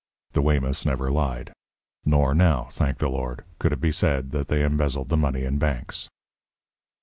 The Weymouths never lied. Nor now, thank the Lord! could it be said that they embezzled the money in banks.